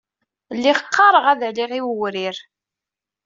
Lliɣ qqareɣ ad aliɣ l wewrir.